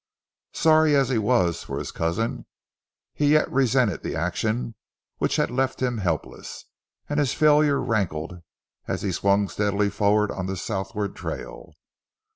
Sorry as he was for his cousin he yet resented the action which had left him helpless, and his failure rankled as he swung steadily forward on the southward trail.